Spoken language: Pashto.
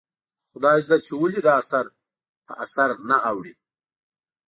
خدایزده چې ولې دا اثر په اثر نه اوړي ؟